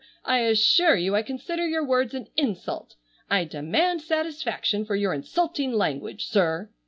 I assure you I consider your words an insult! I demand satisfaction for your insulting language, sir!"